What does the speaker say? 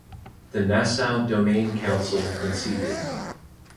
The Nassau Domain Council conceded.